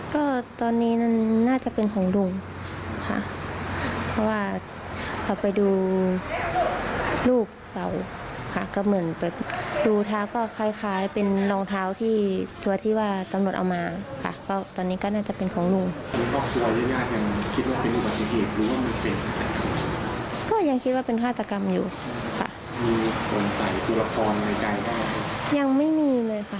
ก็ยังคิดว่าเป็นฆาตกรรมอยู่ค่ะสงสัยอุปภัณฑ์ในกายกายยังไม่มีเลยค่ะ